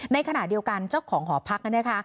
ในขณะเดียวกันเจ้าของหอพัก